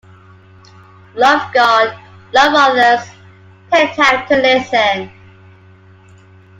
Love God, Love Others, Take Time to Listen.